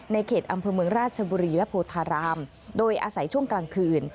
เขตอำเภอเมืองราชบุรีและโพธารามโดยอาศัยช่วงกลางคืน